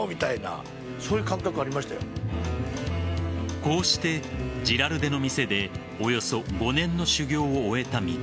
こうして、ジラルデの店でおよそ５年の修業を終えた三國。